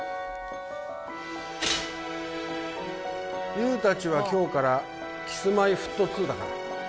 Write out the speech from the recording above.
ＹＯＵたちは今日からＫｉｓ−Ｍｙ−Ｆｔ２だから。